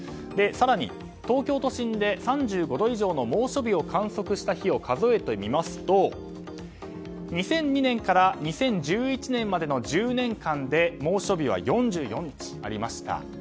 更に東京都心で３５度以上の猛暑日を観測した日を数えてみますと２００２年から２０１１年までの１０年間で猛暑日は４４日ありました。